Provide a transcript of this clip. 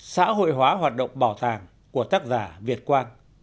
xã hội hóa hoạt động bảo tàng của tác giả việt quang